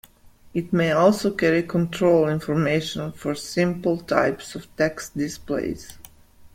It may also carry control information for simple types of text displays.